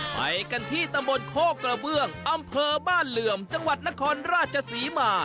ไปกันที่ตำบลโคกกระเบื้องอำเภอบ้านเหลื่อมจังหวัดนครราชศรีมา